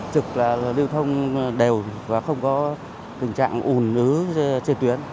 trực là lưu thông đều và không có tình trạng ủn ứ trên tuyến